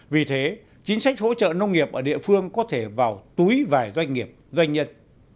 vì thế chính sách hỗ trợ nông nghiệp ở địa phương có thể vào túi vài doanh nghiệp doanh nhân